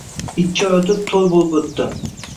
Ikki oy o`tib to`y bo`lib o`tdi